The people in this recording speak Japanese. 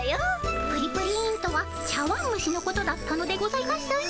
プリプリンとは茶わんむしのことだったのでございますね。